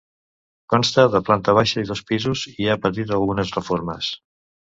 Consta de planta baixa i dos pisos i, ha patit algunes reformes.